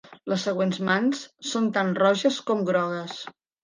Les següents mans són tan roges com grogues.